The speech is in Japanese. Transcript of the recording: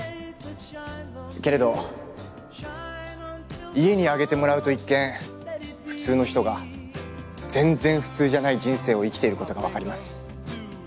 けれど家に上げてもらうと一見普通の人が全然普通じゃない人生を生きていることがわかります。